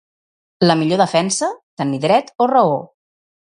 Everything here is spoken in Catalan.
La millor defensa, tenir dret o raó.